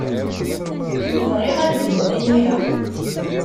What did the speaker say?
Bɣiɣ ad bduɣ imir-a.